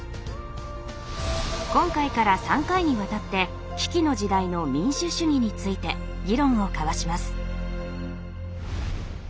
今回から３回にわたって危機の時代の「民主主義」について議論を交わします。